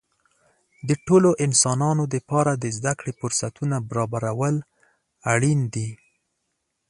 د ټولو انسانانو لپاره د زده کړې فرصتونه برابرول اړین دي.